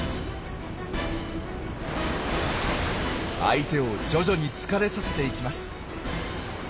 相手を徐々に疲れさせていきます。